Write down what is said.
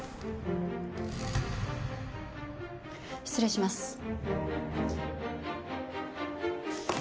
失礼します。